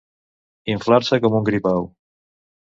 Inflar-se com un gripau.